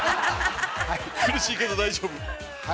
◆苦しいけど大丈夫。